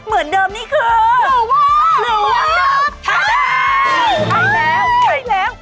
เหมือนแบบนี้คือ